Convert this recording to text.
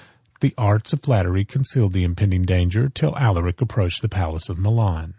The arts of flattery concealed the impending danger, till Alaric approached the palace of Milan.